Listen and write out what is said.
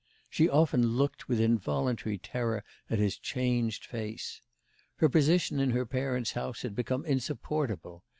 She often looked with involuntary terror at his changed face. Her position in her parents' house had become insupportable.